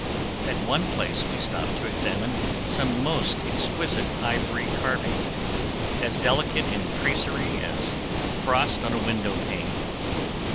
At one place we stopped to examine some most exquisite ivory carvings, as delicate in tracery as frost on a window pane.